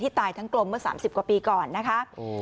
ตายทั้งกลมเมื่อ๓๐กว่าปีก่อนนะคะ